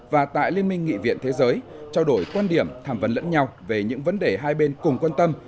và tại liên minh nghị viện thế giới trao đổi quan điểm tham vấn lẫn nhau về những vấn đề hai bên cùng quan tâm